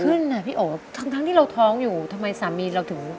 เมื่อก่อนที่เราท้องอยู่ทำไมสามีเราถึง